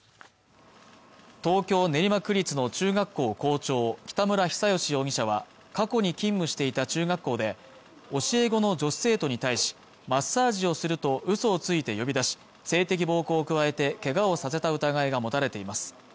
東京練馬区立の中学校校長北村比左嘉容疑者は過去に勤務していた中学校で教え子の女子生徒に対しマッサージをすると嘘をついて呼び出し性的暴行を加えてけがをさせた疑いが持たれています